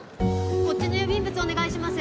こっちの郵便物お願いします。